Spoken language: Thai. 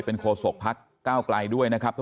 เขาศกพักเก้าใกล่นะครับ